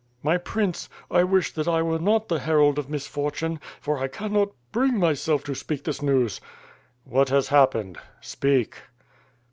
"My Prince, I wish that I were not the herald of misfor tune, for I cannot bring myself to speak this news." "What has happened, speak."